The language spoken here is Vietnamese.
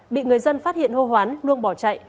bị người dân phát hiện hô hoán luông bỏ chạy